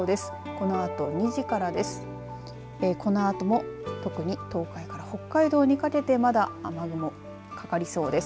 このあとも特に東海から北海道にかけてまだ雨雲かかりそうです。